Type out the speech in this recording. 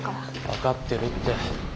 分かってるって。